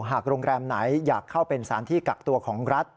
หากโรงแรมไหนอยากเข้าเป็นสารที่กักตัวของรัฐ